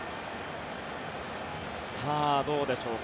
どうでしょうか